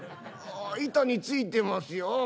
ああ板についてますよ。